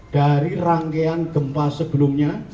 dari rangkaian gempa sebelumnya